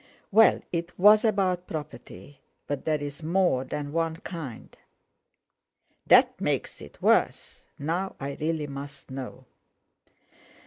"Well, it was about property, but there's more than one kind." "That makes it worse. Now I really must know."